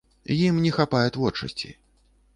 Ім не хапае творчасці.